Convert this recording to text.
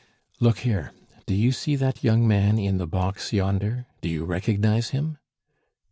"Look there! Do you see that young man in the box yonder?... Do you recognize him?"